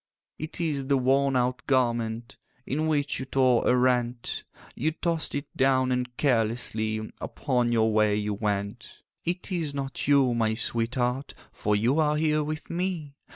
'It is the worn out garment In which you tore a rent; You tossed it down, and carelessly Upon your way you went. 'It is not you, my sweetheart, For you are here with me.